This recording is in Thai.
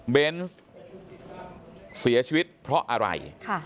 เบนส์เสียชีวิตเพราะอะไร